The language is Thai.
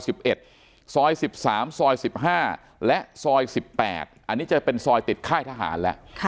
ซอย๑๓ซอย๑๕และซอย๑๘อันนี้จะเป็นซอยติดค่ายทหารแล้ว